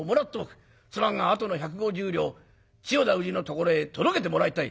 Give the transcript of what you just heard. すまんがあとの百五十両千代田氏のところへ届けてもらいたい」。